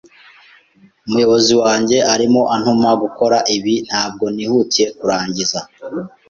Umuyobozi wanjye arimo antuma gukora ibi ntabwo nihutiye kurangiza.